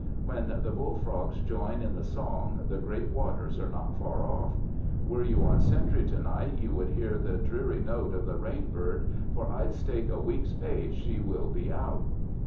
When the bull frogs join in the song the great waters are not far off. Were you on sentry to night you would hear the dreary note of the rain bird, for I'd stake a week's pay she will be out.